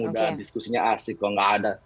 udah diskusinya asik kok nggak ada